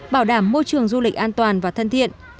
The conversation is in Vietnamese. bảo đảm môi trường du lịch an toàn và thân thiện